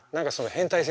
変態性。